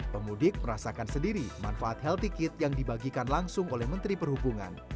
pemudik merasakan sendiri manfaat healthy kit yang dibagikan langsung oleh menteri perhubungan